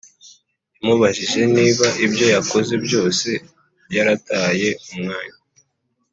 yamubajije niba ibyo yakoze byose yarataye umwanya